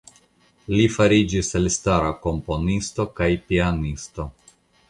Li fariĝis elstara komponisto kaj pianisto.